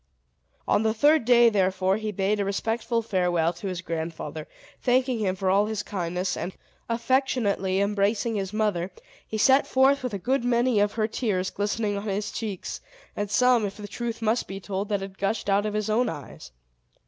On the third day, therefore, he bade a respectful farewell to his grandfather, thanking him for all his kindness; and, after affectionately embracing his mother, he set forth with a good many of her tears glistening on his cheeks, and some, if the truth must be told, that had gushed out of his own eyes.